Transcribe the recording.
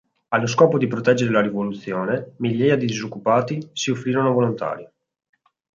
Allo scopo di proteggere la rivoluzione, migliaia di disoccupati si offrirono volontari.